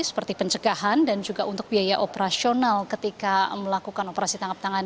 seperti pencegahan dan juga untuk biaya operasional ketika melakukan operasi tangkap tangan